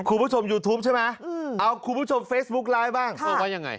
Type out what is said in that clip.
คุณผู้ชมยูทูปใช่ไหมเอาคุณผู้ชมเฟซบุ๊กไลน์บ้าง